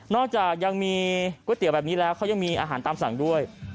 จากยังมีก๋วยเตี๋ยวแบบนี้แล้วเขายังมีอาหารตามสั่งด้วย